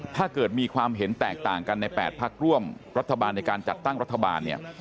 ถ้าเกิดมีความเห็นแตกต่างกันใน๘พักร่วมรัฐบาลในการจัดตั้งรัฐบาลเนี่ย